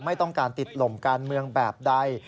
ไม่ต้องการติดลมการเมืองแบบใด